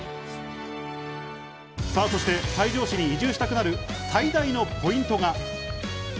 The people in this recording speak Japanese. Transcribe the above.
そして西条市に移住したくなる最大のポイントが。